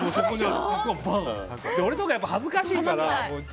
俺とか恥ずかしいから。